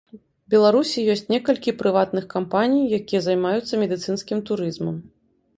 Беларусі ёсць некалькі прыватных кампаній, якія займаюцца медыцынскім турызмам.